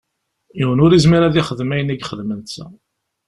Yiwen ur izmir ad yexdem ayen i yexdem netta.